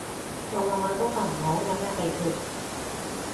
我晚晚都瞓唔好，有咩秘訣